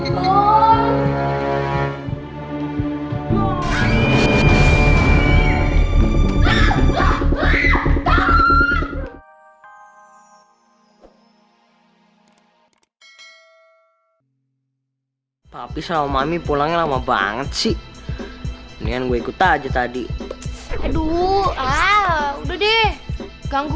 tapi sama mie pulang lama banget sih ini yang gue ikut aja tadi aduh udah deh ganggu